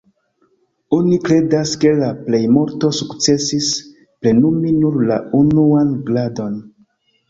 Oni kredas, ke la plejmulto sukcesis plenumi nur la "unuan gradon".